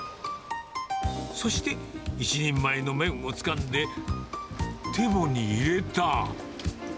そして１人前の麺をつかんで、てぼに入れた。